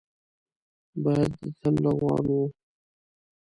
باد تل روان وي